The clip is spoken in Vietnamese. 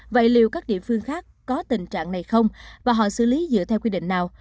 vậy liệu các địa phương khác có tình trạng này không và họ xử lý dựa theo quy định nào